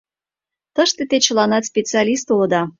Тыште те чыланат специалист улыда.